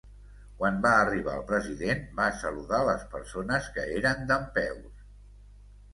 Quan va arribar el president, va saludar les persones que eren dempeus.